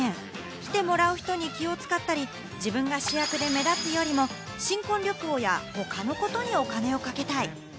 来てもらう人に気を使ったり、自分が主役で目立つよりも新婚旅行や他のことにお金をかけたい。